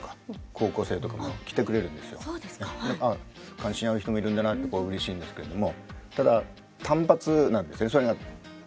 関心ある人もいるんだなってうれしいんですけれども